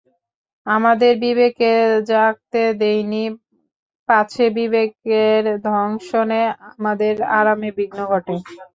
আমাদের বিবেককে জাগতে দিইনি, পাছে বিবেকের দংশনে আমাদের আরামে বিঘ্ন ঘটে।